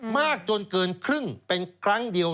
มากจนเกินครึ่งเป็นครั้งเดียว